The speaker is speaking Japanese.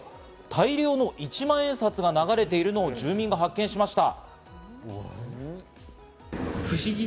大量の１万円札が流れているのを住民が発見しました。